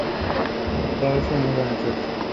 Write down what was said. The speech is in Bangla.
এটাকে কোনো মইয়ের মতো লাগছে?